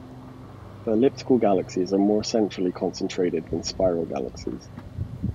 The elliptical galaxies are more centrally concentrated than the spiral galaxies.